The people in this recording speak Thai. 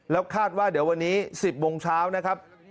แล้วคาดว่าเดี๋ยววันนี้๑๐โมงเช้านะครับ